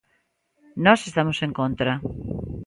Nós estamos en contra.